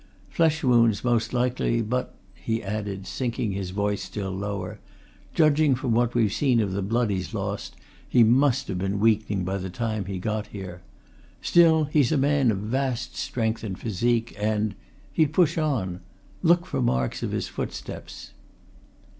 Flesh wounds, most likely, but," he added, sinking his voice still lower, "judging from what we've seen of the blood he's lost, he must have been weakening by the time he got here. Still, he's a man of vast strength and physique, and he'd push on. Look for marks of his footsteps."